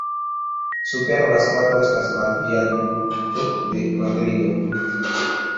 Super la strato estas la Viadukto de Madrido.